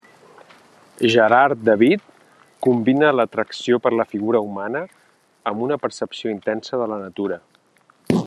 Gerard David combina l'atracció per la figura humana amb una percepció intensa de la natura.